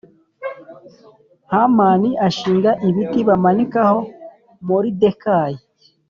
Hamani ashinga igiti bamanikaho Moridekayi